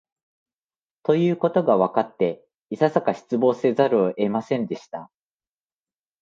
ということがわかって、いささか失望せざるを得ませんでした